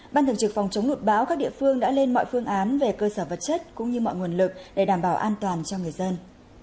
ban thường trực phòng chống lụt bão các địa phương đã lên mọi phương án về cơ sở vật chất cũng như mọi nguồn lực để đảm bảo an toàn cho người dân